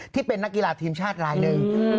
ที่เป็นนักกีฬาทีมชาติรายหนึ่ง